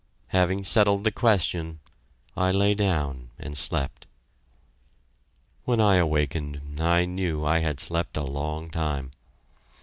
Having settled the question, I lay down and slept. When I awakened, I knew I had slept a long time.